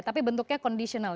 tapi bentuknya conditional